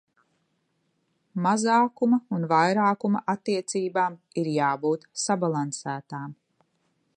Mazākuma un vairākuma attiecībām ir jābūt sabalansētām.